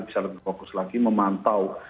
bisa lebih fokus lagi memantau